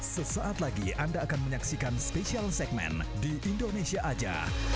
sesaat lagi anda akan menyaksikan spesial segmen di indonesia aja